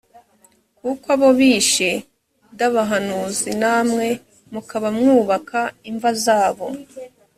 kuko abo bishe d abahanuzi namwe mukaba mwubaka imva zabo